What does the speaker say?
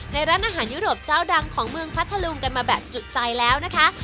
ร้านอาหารยุโรปเจ้าดังของเมืองพัทธลุงกันมาแบบจุดใจแล้วนะคะ